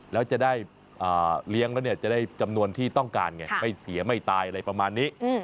แล้วจะได้เลี้ยงแล้วเนี่ยจะได้จำนวนที่ต้องการไงไม่เสียไม่ตายอะไรประมาณนี้